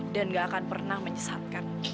dan nggak akan pernah menyesatkan